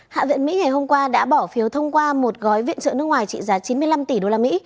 hạ viện mỹ ngày hôm qua đã bỏ phiếu thông qua một gói viện trợ nước ngoài trị giá chín mươi năm tỷ usd